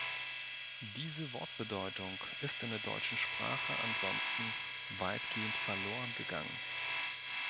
Diese Wortbedeutung ist in der deutschen Sprache ansonsten weitgehend verloren gegangen.